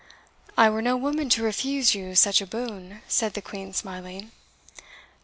"I were no woman to refuse you such a boon," said the Queen, smiling.